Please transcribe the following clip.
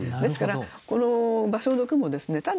ですからこの芭蕉の句もですね